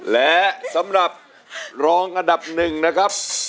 และสำหรับรองอันดับหนึ่งนะครับ